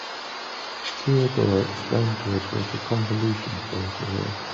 Theodore explained to us what a convolution filter is.